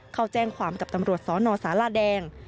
เขาแจ้งความกับตำรวจสนสาราแดง